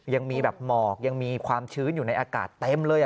ยังมีแบบหมอกยังมีความชื้นอยู่ในอากาศเต็มเลย